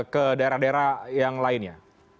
ke daerah daerah yang lainnya